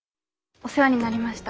お世話になりました。